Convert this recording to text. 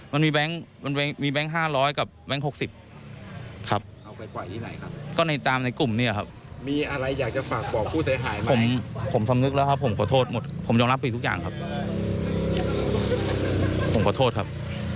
มันมีแบงค์๕๐๐กับแบงค์๖๐ครับ